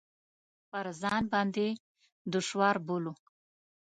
پر ځان باندې دشوار بولو.